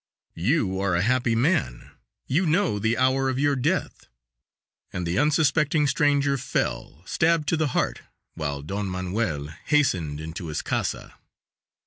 "You are a happy man; you know the hour of your death," and the unsuspecting stranger fell, stabbed to the heart, while Don Manuel hastened into his casa.